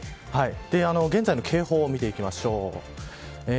現在の警報を見ていきましょう。